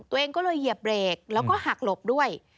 ตัวเองก็เลยเหยียบเบรกแล้วก็หักหลบด้วย